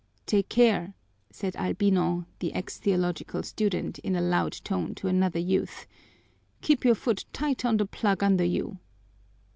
"Take care," said Albino, the ex theological student, in a loud tone to another youth. "Keep your foot tight on the plug under you."